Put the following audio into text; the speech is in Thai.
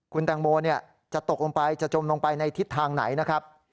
คุณแตงโมจะตกลงไปจะจมลงไปในทิศทางไหนนะครับ